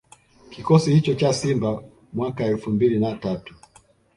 Kikosi hicho cha Simba mwaka elfu mbili na tatu